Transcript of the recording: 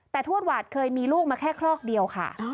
แต่ทวดหวาดเคยมีลูกมาแค่คลอกเดียวค่ะ